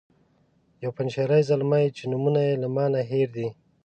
یو پنجشیری زلمی چې نومونه یې له ما نه هیر دي.